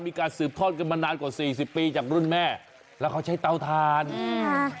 มีการสืบทอดกันมานานกว่าสี่สิบปีจากรุ่นแม่แล้วเขาใช้เตาทานอืม